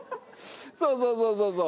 そうそうそうそうそう！